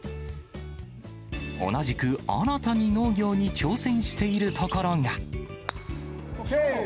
同じく新たに農業に挑戦している所が。